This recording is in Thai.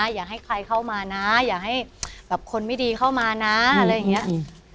อย่าให้ใครเข้ามานะอย่าให้แบบคนไม่ดีเข้ามานะอะไรอย่างนี้